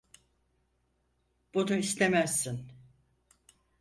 Bunu istemezsin.